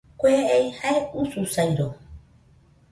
Kue ei jae ususairo